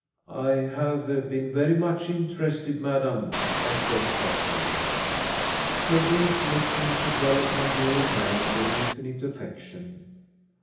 "I have been very much interested, madam," I said softly. Her gaze left me to dwell upon the old man with infinite affection.